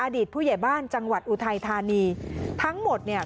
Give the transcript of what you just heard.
อดีตผู้ใหญ่บ้านจังหวัดอุทัยธานีทั้งหมดเนี่ย